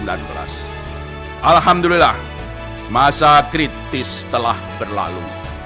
alhamdulillah masa kritis telah berlalu